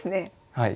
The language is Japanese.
はい。